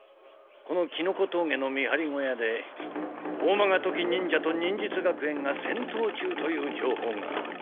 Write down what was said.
このキノコ峠の見張り小屋でオーマガトキ忍者と忍術学園が戦闘中という情報が。